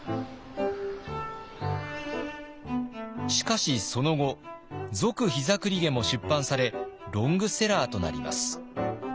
しかしその後「続膝栗毛」も出版されロングセラーとなります。